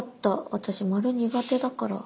私丸苦手だから。